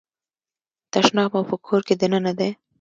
تشناب مو په کور کې دننه دی؟